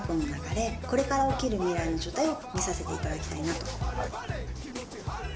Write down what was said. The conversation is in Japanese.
これから起きる未来の状態を見させていただきたいなと。